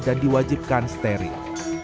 dan diwajibkan steril